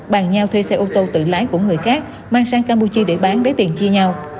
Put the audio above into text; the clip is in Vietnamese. bàn nhau thuê xe ô tô tự lái của người khác mang sang campuchia để bán lấy tiền chia nhau